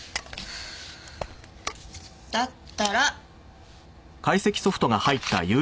だったら。